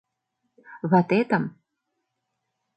— Ватетым...